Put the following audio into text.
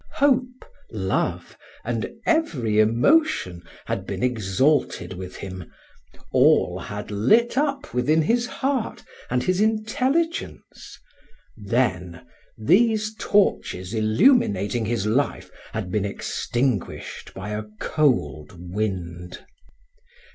Hope, love, and every emotion had been exalted with him, all had lit up within his heart and his intelligence, then these torches illuminating his life had been extinguished by a cold wind.